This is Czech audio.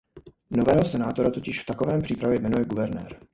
Nového senátora totiž v takovém případě jmenuje guvernér.